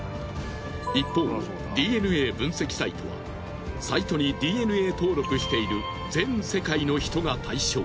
一方ＤＮＡ分析サイトはサイトにＤＮＡ登録している全世界の人が対象。